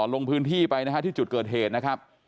ลงพื้นที่ไปนะฮะที่จุดเกิดเหตุนะครับ